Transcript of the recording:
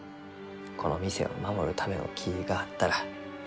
この店を守るための木があったらえいと思う。